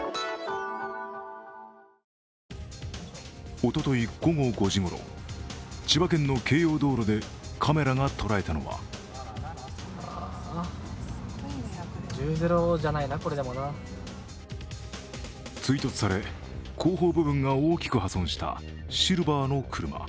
おととい午後５時ごろ千葉県の京葉道路でカメラが捉えたのは追突され後方部分が大きく破損したシルバーの車。